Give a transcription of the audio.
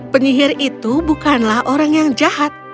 penyihir itu bukanlah orang yang jahat